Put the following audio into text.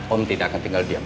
om tidak akan tinggal diam